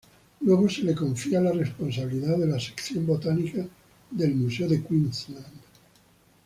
Luego se le confía la responsabilidad de la "Sección Botánica" del "Museo de Queensland".